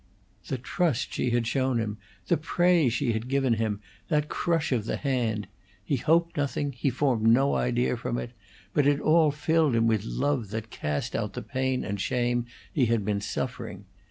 The trust she had shown him, the praise she had given him, that crush of the hand: he hoped nothing, he formed no idea from it, but it all filled him with love that cast out the pain and shame he had been suffering.